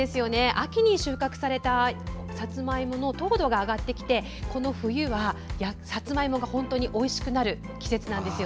秋に収穫されたさつまいもの糖度が上がってきてこの冬はさつまいもが本当においしくなる季節なんです。